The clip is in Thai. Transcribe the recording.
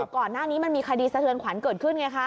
ก่อนหน้านี้มันมีคดีสะเทือนขวัญเกิดขึ้นไงคะ